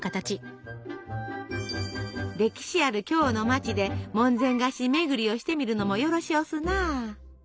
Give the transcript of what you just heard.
歴史ある京の町で門前菓子巡りをしてみるのもよろしおすな。